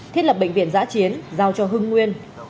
thiết lập bệnh viện giã chiến giao cho hưng nguyên